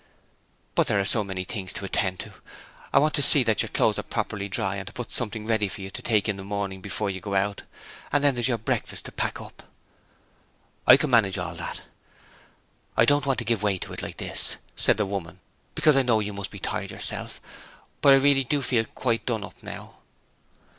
'But there are so many things to attend to. I want to see that your clothes are properly dry and to put something ready for you to take in the morning before you go out, and then there's your breakfast to pack up ' 'I can manage all that.' 'I didn't want to give way to it like this,' the woman said, 'because I know you must be tired out yourself, but I really do feel quite done up now.'